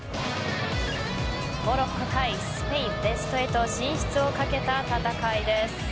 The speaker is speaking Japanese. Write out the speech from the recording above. モロッコ対スペインベスト８進出を懸けた戦いです。